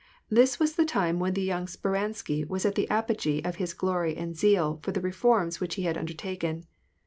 This was the time when the young Speransky was at the apogee of his glory and zeal for the reforms which he had undertaken.